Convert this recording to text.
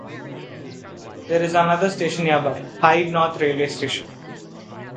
There is another station nearby, Hyde North railway station.